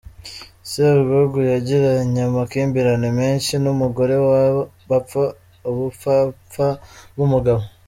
Sebwugugu yagiranye amakimbirane menshi n’umugore we bapfa ubupfapfa bw’umugabo.